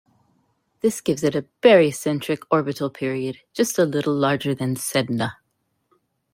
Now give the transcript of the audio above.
This gives it a barycentric orbital period just a little larger than Sedna.